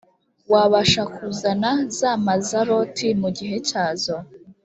wabasha kuzana za mazaroti mu gihe cyazo